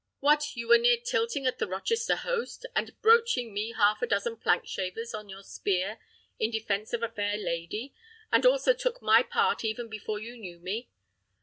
What! you were near tilting at the Rochester host, and broaching me half a dozen plank shavers on your spear in defence of a fair lady, and also took my part even before you knew me?